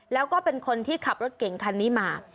แล้วก็เป็นคนที่ขับรถเก่งคันนี้มา